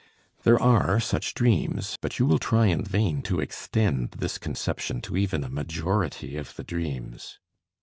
There are such dreams, but you will try in vain to extend this conception to even a majority of the dreams.